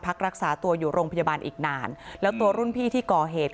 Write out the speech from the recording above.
พักรักษาตัวอยู่โรงพยาบาลอีกนานแล้วตัวรุ่นพี่ที่ก่อเหตุ